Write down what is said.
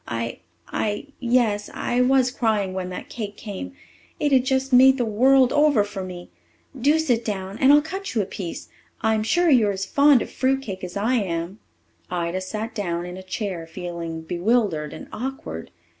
I I yes, I was crying when that cake came. It has just made the world over for me. Do sit down and I'll cut you a piece. I'm sure you're as fond of fruit cake as I am." Ida sat down in a chair, feeling bewildered and awkward.